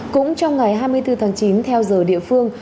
cũng trong ngày hai mươi bốn tháng chín theo giờ địa phương